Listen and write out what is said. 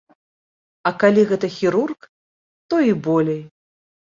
А калі гэта хірург, то і болей.